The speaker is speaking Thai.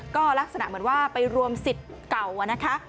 ก็ลักษณะเหมือนว่าไปรวมสิทธิ์เก่านะคะ